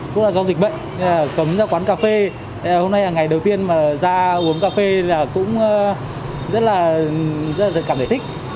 cũng là do dịch bệnh cấm ra quán cà phê hôm nay là ngày đầu tiên mà ra uống cà phê là cũng rất là cảm để thích